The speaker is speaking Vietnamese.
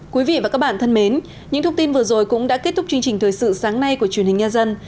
quý vị và các bạn thân mến những thông tin vừa rồi cũng đã kết thúc chương trình thời sự sáng nay của truyền hình nhân dân